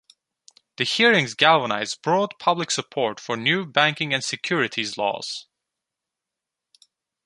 The hearings galvanized broad public support for new banking and securities laws.